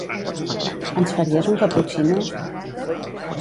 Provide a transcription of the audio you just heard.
Ens faries un caputxino?